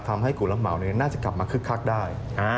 ทำให้กลุ่มระเป๋านี้น่าจะกลับมาคึกคักได้